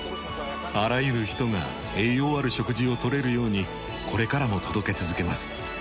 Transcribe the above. あらゆる人が栄養ある食事を取れるようにこれからも届け続けます。